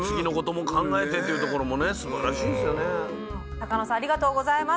坂野さんありがとうございます。